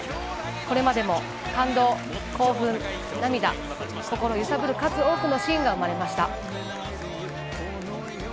これまでも感動、興奮、涙、心揺さぶる数多くのシーンが生まれました。